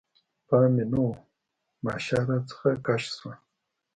پام مې نه و، ماشه رانه کش شوه.